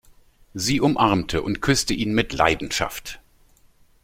Sie umarmte und küsste ihn mit Leidenschaft.